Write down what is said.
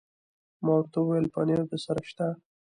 ما ورته وویل: پنیر درسره شته؟